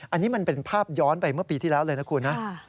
อันนี้มันเป็นภาพย้อนไปเมื่อปีที่แล้วเลยนะคุณนะ